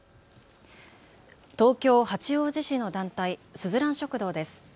東京八王子市の団体、すずらん食堂です。